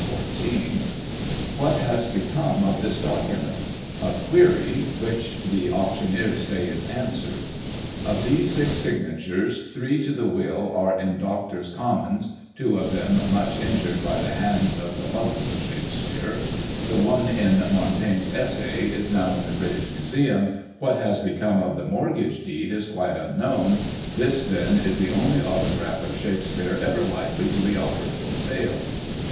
14: 'What has become of this document?' a query which the auctioneers say is answered. Of these six signatures, three to the will are in Doctors' Commons (two of them much injured by the hands of the lovers of Shakspere) ; the one in Montaigne's Essays is now in the British Museum; what has become of the mortgage deed is quite unknown : this, then, is the only autograph of Shakspere ever likely to be offered for sale."